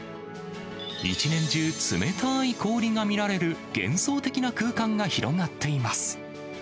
一年中、冷たい氷が見られる幻想的な空間が広がっています。